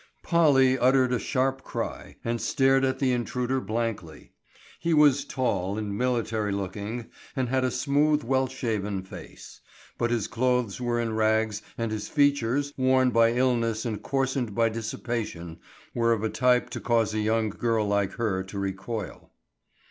POLLY uttered a sharp cry and stared at the intruder blankly. He was tall and military looking and had a smooth, well shaven face. But his clothes were in rags and his features, worn by illness and coarsened by dissipation were of a type to cause a young girl like her to recoil.